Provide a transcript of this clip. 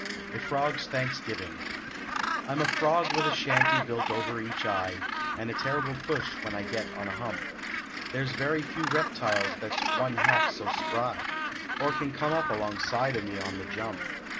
A FROG S THANKSGIVING I m a frog with a shanty built over each eye And a terrible push when I get on a hump, There s very few reptiles that s one half so spry Or can come up along side o me on the jump.